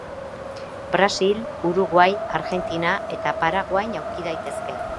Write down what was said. Brasil, Uruguai, Argentina eta Paraguain aurki daitezke.